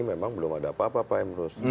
memang belum ada apa apa pak emrus